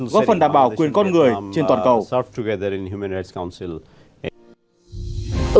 góp phần đảm bảo quyền con người trên toàn cầu